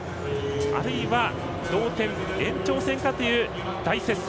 あるいは、同点、延長戦かという大接戦。